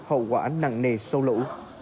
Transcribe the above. hậu quả nặng nề sâu lũ